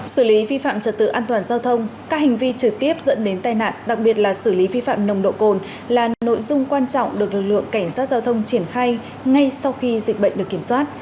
xử lý vi phạm trật tự an toàn giao thông các hành vi trực tiếp dẫn đến tai nạn đặc biệt là xử lý vi phạm nồng độ cồn là nội dung quan trọng được lực lượng cảnh sát giao thông triển khai ngay sau khi dịch bệnh được kiểm soát